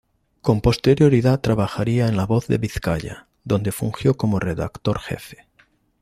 Con posterioridad trabajaría en "La Voz de Vizcaya", donde fungió como redactor-jefe.